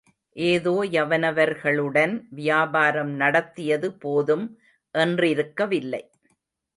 ஏதோ யவனவர்களுடன் வியாபாரம் நடத்தியது போதும் என்றிருக்கவில்லை.